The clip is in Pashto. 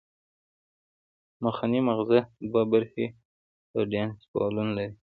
مخنی مغزه دوه برخې او ډاینسفالون لري